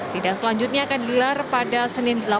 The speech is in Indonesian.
sidang selanjutnya akan digelar pada senin